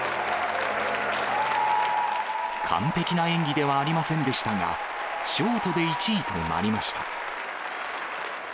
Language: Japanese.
完璧な演技ではありませんでしたが、ショートで１位となりました。